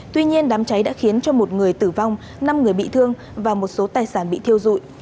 tuy nhiên đám cháy đã khiến cho một người tử vong năm người bị thương và một số tài sản bị thiêu dụi